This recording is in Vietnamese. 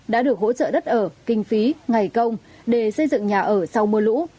đã được hỗ trợ đất ở kinh phí ngày công để xây dựng nhà ở sau mưa lũ